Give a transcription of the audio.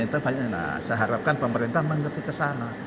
nah saya harapkan pemerintah mengerti kesana